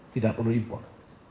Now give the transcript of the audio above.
tidak perlu impor